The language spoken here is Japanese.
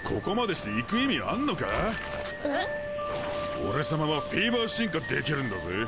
オレ様はフィーバー進化できるんだぜ！